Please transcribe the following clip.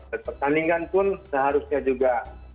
dan pertandingan pun seharusnya juga